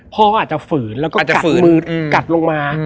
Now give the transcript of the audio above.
พ่ออาจจะฝืนแล้วก็กัดมือกัดลงมา